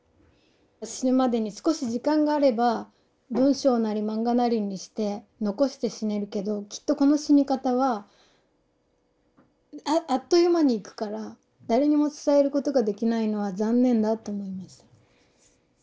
死ぬまでに少し時間があれば文章なり漫画なりにして残して死ねるけどきっとこの死に方はあっという間にいくから誰にも伝えることができないのは残念だと思いました。